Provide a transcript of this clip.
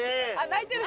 泣いてる。